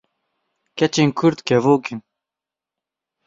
Keçên kurd kevok in.